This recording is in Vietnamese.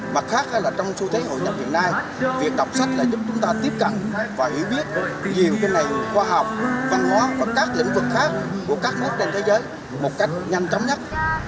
mặt khác hay là trong xu thế hội nhập hiện nay việc đọc sách là giúp chúng ta tiếp cận và hiểu biết nhiều cái nền khoa học văn hóa và các lĩnh vực khác của các nước trên thế giới một cách nhanh chóng nhất